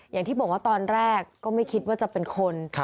อย่างที่บอกว่าตอนแรกก็ไม่คิดว่าจะเป็นคน